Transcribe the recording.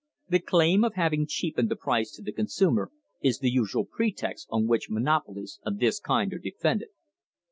The claim of having cheapened the price to the consumer is the usual pretext on which monopolies of this kind are defended."